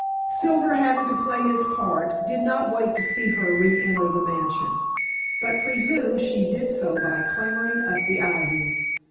Silver, having to play his part, did not wait to see her re enter the mansion, but presumed she did so by clambering up the ivy.